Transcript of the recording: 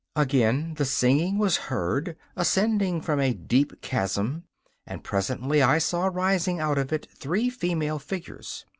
Again the singing was heard, ascending from a deep chasm, and presently I saw rising out of it three female figures.